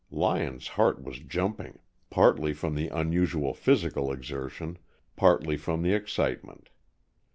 Lyon's heart was jumping, partly from the unusual physical exertion, partly from the excitement.